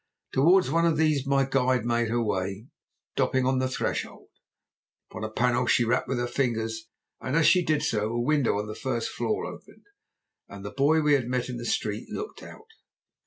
Towards one of these my guide made her way, stopping on the threshold. Upon a panel she rapped with her fingers, and as she did so a window on the first floor opened, and the boy we had met in the street looked out.